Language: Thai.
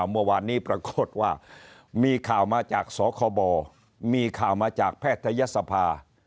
เมื่อวานนี้ปรากฏว่ามีข่าวมาจากสคบมีข่าวมาจากแพทยศภา